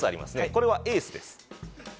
これがエースです。